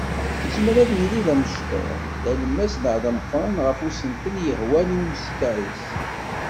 Yezmer ad yili d amecṭuḥ, d alemmas neɣ d ameqqran ɣef usentel i yehwan i umeskar-is.